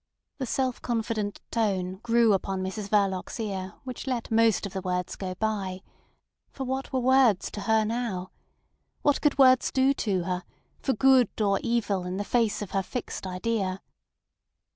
The self confident tone grew upon Mrs Verloc's ear which let most of the words go by; for what were words to her now? What could words do to her, for good or evil in the face of her fixed idea?